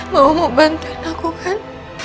mau mau bantuin aku kan